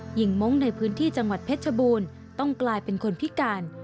หญิงมงค์ในพื้นที่จังหวัดเพชรบูรณ์ต้องกลายเป็นคนพิการ